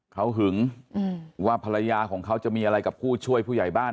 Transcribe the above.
เขาหึงว่าภรรยาของเขาจะมีอะไรกับผู้ช่วยผู้ใหญ่บ้าน